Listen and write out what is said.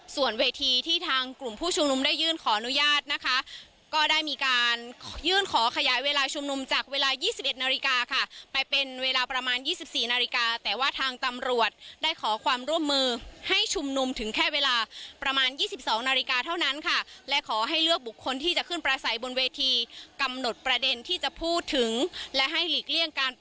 ส่วนเวทีที่ทางกลุ่มผู้ชุมนุมได้ยื่นขออนุญาตนะคะก็ได้มีการยื่นขอขยายเวลาชุมนุมจากเวลา๒๑นาฬิกาค่ะไปเป็นเวลาประมาณ๒๔นาฬิกาแต่ว่าทางตำรวจได้ขอความร่วมมือให้ชุมนุมถึงแค่เวลาประมาณ๒๒นาฬิกาเท่านั้นค่ะและขอให้เลือกบุคคลที่จะขึ้นประสัยบนเวทีกำหนดประเด็นที่จะพูดถึงและให้หลีกเลี่ย